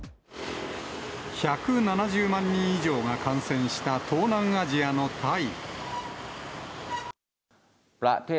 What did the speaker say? １７０万人以上が感染した東南アジアのタイ。